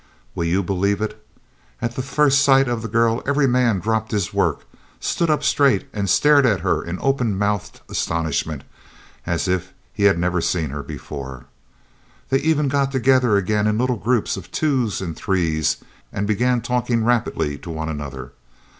Will you believe it? At the first sight of the girl every man dropped his work, stood up straight and stared at her in open mouthed astonishment as if he had never seen her before. They even got together again in little groups of twos and threes and began talking rapidly to one another.